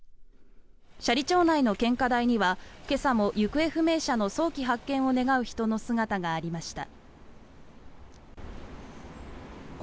斜里町内の献花台には今朝も、行方不明者の早期発見を願う人の姿がありました。